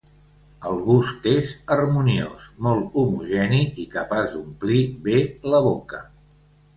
El gust és harmoniós, molt homogeni i capaç d'omplir bé la boca.